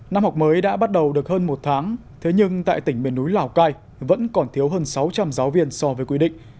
năm học mới đã bắt đầu được hơn một tháng thế nhưng tại tỉnh miền núi lào cai vẫn còn thiếu hơn sáu trăm linh giáo viên so với quy định